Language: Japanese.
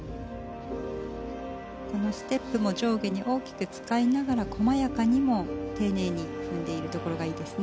このステップも上下に大きく使いながら細やかにも丁寧に踏んでいるところがいいですね。